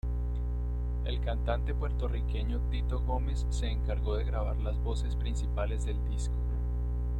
El cantante puertorriqueño Tito Gómez se encargó de grabar las voces principales del disco.